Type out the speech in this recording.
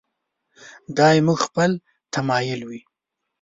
دا زموږ خپل تمایل وي.